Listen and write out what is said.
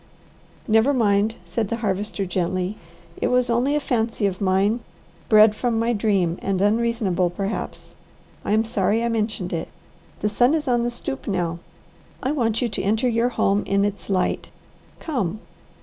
"Never mind," said the Harvester gently. "It was only a fancy of mine, bred from my dream and unreasonable, perhaps. I am sorry I mentioned it. The sun is on the stoop now; I want you to enter your home in its light. Come!"